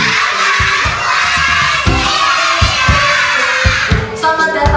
selamat datang di lalai harma